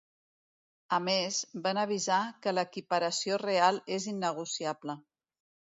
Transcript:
A més, van avisar que ‘l’equiparació real és innegociable’.